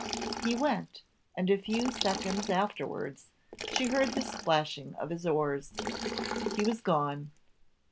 He went, and a few seconds afterwards she heard the splashing of his oars. He was gone!